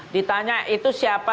ditanya itu siapa